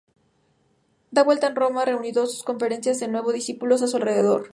De vuelta en Roma, reanudó sus conferencias con nuevos discípulos a su alrededor.